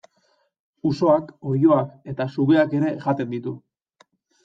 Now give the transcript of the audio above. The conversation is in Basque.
Usoak, oiloak eta sugeak ere jaten ditu.